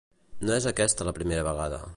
No és aquesta la primera vegada.